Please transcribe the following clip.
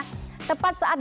tepat saat gerhana berakhir